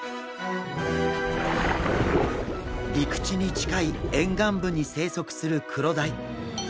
陸地に近い沿岸部に生息するクロダイ。